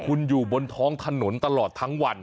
คุณอยู่บนท้องถนนตลอดทั้งวัน